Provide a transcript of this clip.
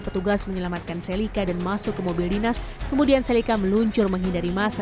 petugas menyelamatkan selika dan masuk ke mobil dinas kemudian selika meluncur menghindari masa